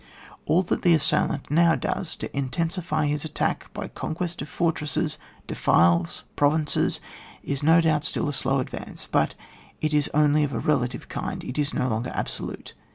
All that the assailant now does to in tensify his attack by conquest of for tresses, defiles, provinces, is no doubt still a slow advance, but it is only of a relative kind, it is no longer absolute.